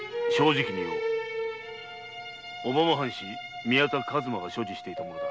小浜藩士・宮田数馬が所持していたものだ。